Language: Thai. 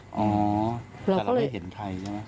อ๋อแต่เราไม่เห็นใครใช่ไหม